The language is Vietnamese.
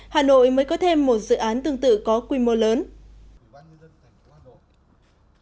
hà nội mới có thêm một dự án tương tự có quy mô lớn